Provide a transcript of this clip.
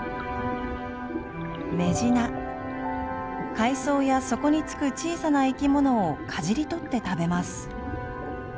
海藻やそこに付く小さな生き物をかじり取って食べます。